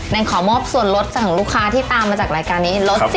นั่งขอมอบส่วนลดขึ้นลูกค้าที่ตามมาจากรายการนี้